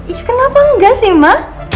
iya kenapa enggak sih ma